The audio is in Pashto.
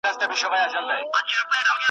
په محبت کـــــې یاغیتوب غـواړم چې نه ونکړې